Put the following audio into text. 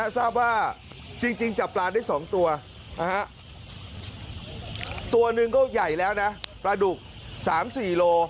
ทราบว่าจริงจับปลาได้๒ตัวตัวหนึ่งก็ใหญ่แล้วนะปลาดุก๓๔โล